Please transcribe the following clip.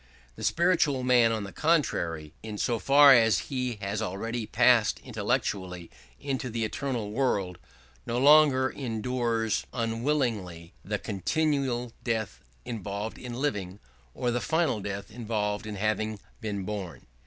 The spiritual man, on the contrary, in so far as he has already passed intellectually into the eternal world, no longer endures unwillingly the continual death involved in living, or the final death involved in having been born.